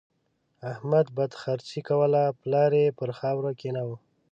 احمد بدخرڅي کوله؛ پلار يې پر خاورو کېناوو.